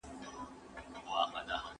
د څېړنې پایلې خلکو ته لارښوونه کوي.